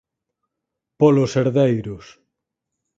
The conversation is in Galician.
Polos herdeiros.